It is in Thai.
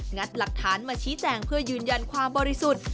งัดหลักฐานมาชี้แจงเพื่อยืนยันความบริสุทธิ์